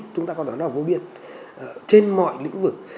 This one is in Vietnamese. chúng ta có nói là vô biên trên mọi lĩnh vực